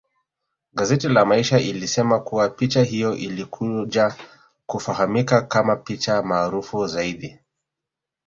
Gazeti la maisha ilisema kuwa picha hiyo ilikuja kufahamika kama picha maarufu zaidi